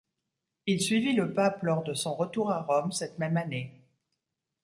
Il suivit le pape lors de son retour à Rome cette même année.